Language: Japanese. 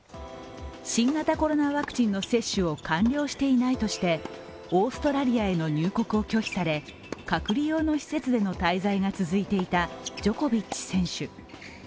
新型コロナワクチンの接種を完了していないとしてオーストラリアへの入国を拒否され、隔離用の施設での滞在が続いていたジョコビッチ選手。